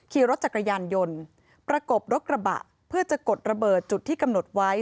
ขี่รถจักรยานยนต์ประกบรถกระบะเพื่อจะกดระเบิดจุดที่กำหนดไว้